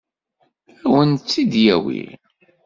Ad wen-tt-id-yawi?